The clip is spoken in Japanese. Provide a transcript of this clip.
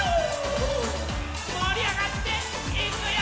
もりあがっていくよ！